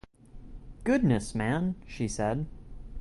“Goodness, man!” she said.